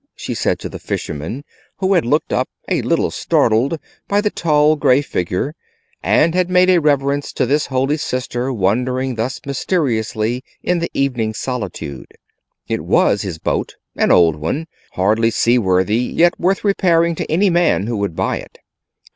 she said to the fisherman, who had looked up, a little startled by the tall grey figure, and had made a reverence to this holy Sister wandering thus mysteriously in the evening solitude. It was his boat; an old one, hardly seaworthy, yet worth repairing to any man who would buy it.